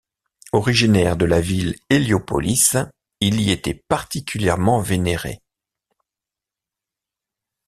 Originaire de la ville Héliopolis, il y était particulièrement vénéré.